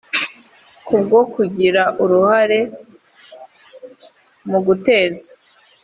ku bwo kugira uruhahare mu guteza